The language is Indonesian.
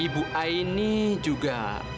ibu aini juga